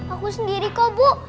aku sendiri kok bu